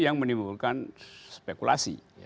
yang menimbulkan spekulasi